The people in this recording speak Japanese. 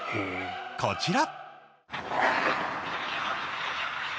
こちら。